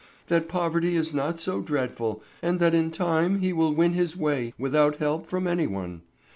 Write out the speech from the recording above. "That poverty is not so dreadful, and that in time he will win his way without help from any one.